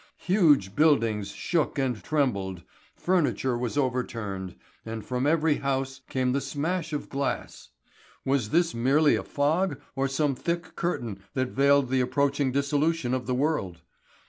Huge buildings shook and trembled, furniture was overturned, and from every house came the smash of glass. Was this merely a fog or some thick curtain that veiled the approaching dissolution of the world?